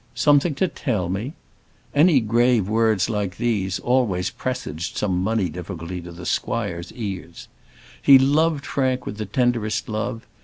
"Something to tell me!" Any grave words like these always presaged some money difficulty to the squire's ears. He loved Frank with the tenderest love.